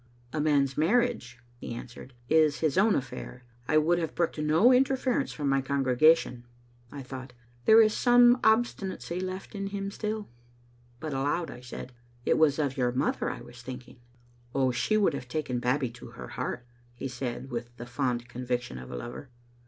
" A man's marriage," he answered, " is his own affair. I would have brooked no interference from my congre gation." I thought, " There is some obstinacy left in him still ;" but aloud I said, " It was of your mother I was thinking. "" She would have taken Babbie to her heart," he said, with the fond conviction of a lover.